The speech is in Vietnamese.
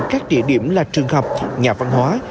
các địa điểm là trường học nhà văn hóa